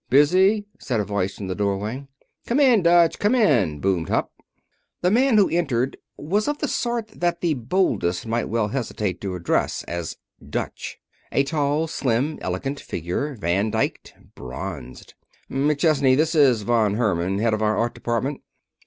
"Busy?" said a voice from the doorway. "Come in, Dutch! Come in!" boomed Hupp. The man who entered was of the sort that the boldest might well hesitate to address as "Dutch" a tall, slim, elegant figure, Van dyked, bronzed. "McChesney, this is Von Herman, head of our art department."